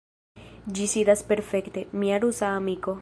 Ĝi sidas perfekte, mia rusa amiko.